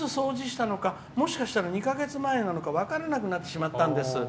もしかしたら、２か月前なのか分からなくなってしまったんです。